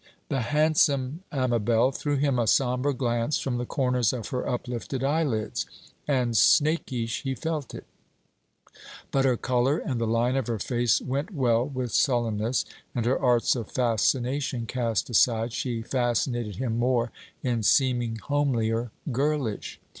The handsome Amabel threw him a sombre glance from the corners of her uplifted eyelids; and snakish he felt it; but her colour and the line of her face went well with sullenness; and, her arts of fascination cast aside, she fascinated him more in seeming homelier, girlish.